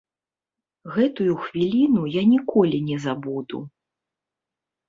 Гэтую хвіліну я ніколі не забуду.